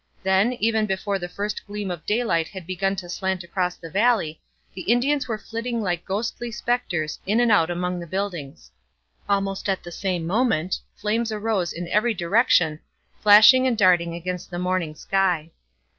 Then, even before the first gleam of daylight had begun to slant across the valley, the Indians were flitting like ghostly spectres in and out among the buildings. Almost at the same moment flames arose in every direction, flashing and darting against the morning sky.